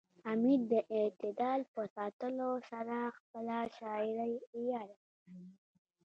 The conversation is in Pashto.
حمید د اعتدال په ساتلو سره خپله شاعرۍ عیاره کړه